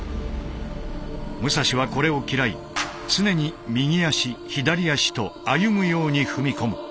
武蔵はこれを嫌い常に右足左足と歩むように踏み込む。